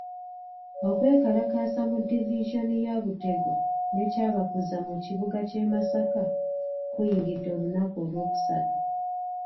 Okwekalakaasa mu divisoni ya Butego ne Kyabakuza mu kibuga ky'e Masaka kuyingidde olunaku Olwokusatu.